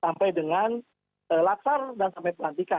sampai dengan laksar dan sampai pelantikan